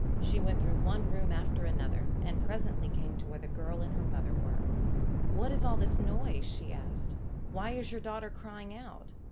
She went through one room after another, and presently she came to where the girl and her mother were. "What is all this noise?" she asked. "Why is your daughter crying out?"